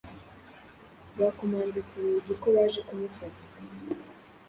Bakomanze ku rugi ko baje kumufata.